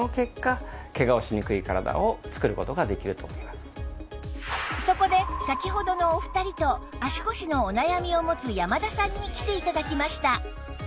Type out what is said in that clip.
ではそこで先ほどのお二人と足腰のお悩みを持つ山田さんに来て頂きました